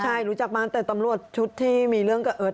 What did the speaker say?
ใช่รู้จักมาตั้งแต่ตำรวจชุดที่มีเรื่องกับเอิร์ท